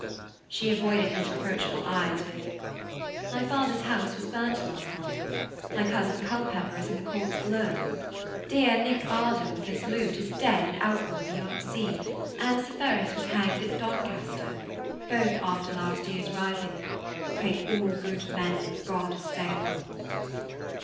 She avoided his reproachful eyes with: 'My father's house was burnt last month; my cousin Culpepper is in the courts below. Dear Nick Ardham, with his lute, is dead an outlaw beyond sea, and Sir Ferris was hanged at Doncaster both after last year's rising, pray all good men that God assail them!'